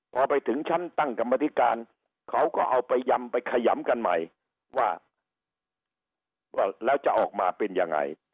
พอไปถึงชั้นตั้งกรรมธิการเขาก็เอาไปยำไปขยำกันใหม่ว่าแล้วจะออกมาเป็นยังไง